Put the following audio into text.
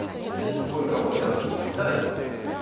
是非こういう株を選んで頂いたらいいと思います。